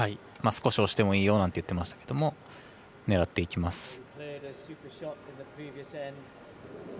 少し押してもいいよなんて言っていましたけど狙っていきます。